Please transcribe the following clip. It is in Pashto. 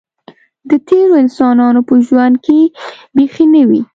د تېرو انسانانو په ژوند کې بیخي نه وې.